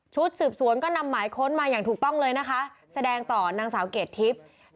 สืบสวนก็นำหมายค้นมาอย่างถูกต้องเลยนะคะแสดงต่อนางสาวเกรดทิพย์